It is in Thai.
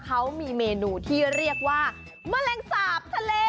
เขามีเมนูที่เรียกว่าแมลงสาบทะเล